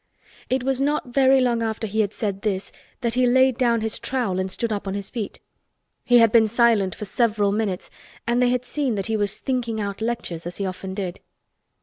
It was not very long after he had said this that he laid down his trowel and stood up on his feet. He had been silent for several minutes and they had seen that he was thinking out lectures, as he often did.